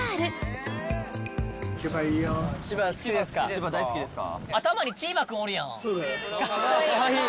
千葉好きですか？